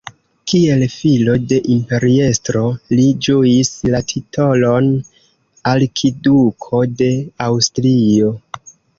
Kiel filo de imperiestro, li ĝuis la titolon "Arkiduko de Aŭstrio".